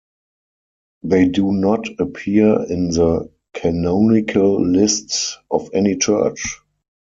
They do not appear in the canonical lists of any Church.